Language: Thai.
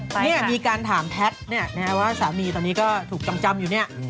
ไปค่ะนี่มีการถามแพทย์นี่นะครับว่าสามีตอนนี้ก็ถูกจำอยู่นี่